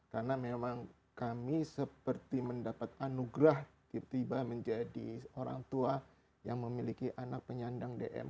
karena memang kami seperti mendapat anugerah tiba tiba menjadi orang tua yang memiliki anak penyandang dm